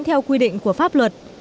theo quy định của pháp luật